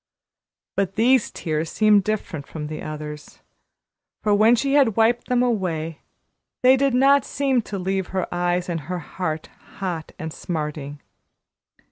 But these tears seemed different from the others, for when she had wiped them away they did not seem to leave her eyes and her heart hot and smarting.